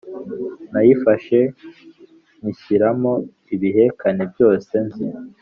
Nayifashe nyinshyiramo ibihekane byose nzi